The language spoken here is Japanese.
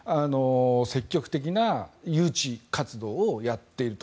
積極的な誘致活動をやっていると。